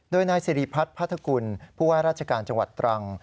โดยนายสิริพัฒน์พัทธกุลผู้ว่าราชการจังหวัดตรัง